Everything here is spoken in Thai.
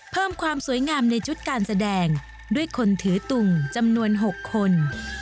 เพิ่มความสวยงามในชุดการแสดงด้วยคนถือตุงจำนวน๖คน